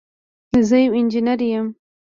زه یو انجینر یم